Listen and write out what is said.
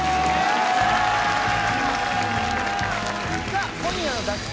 さあ今夜の脱出